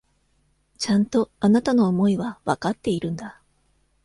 ちゃんと、あなたの思いはわかっているんだ。